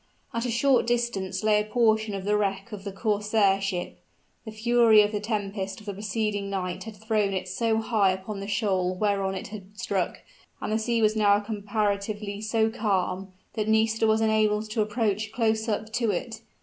At a short distance lay a portion of the wreck of the corsair ship. The fury of the tempest of the preceding night had thrown it so high upon the shoal whereon it had struck, and the sea was now comparatively so calm, that Nisida was enabled to approach close up to it.